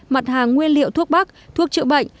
mặt hàng nguyên liệu thuốc bắc thuốc trự bệnh